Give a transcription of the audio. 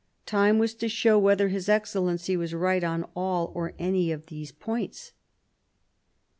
Time was to show whether his Excellency was right on all or any of these points.